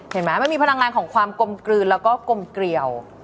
เห็นไหมมันมีพลังงานของความกลมกลืนแล้วก็กลมเกลียว